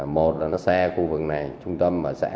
một là nó xe khu vực này trung tâm ở xã